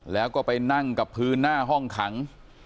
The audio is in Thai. แล้วก็ไปนั่งกับพื้นหน้าห้องขัง